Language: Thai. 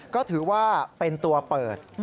ก็ถือว่าเป็นตัวเปิด